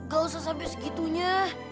gak usah sampai segitunya